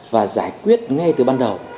và giải quyết ngay từ ban đầu